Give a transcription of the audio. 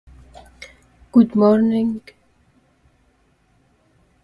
It will do so as it retires coal-fired generators at coal plants in Michigan.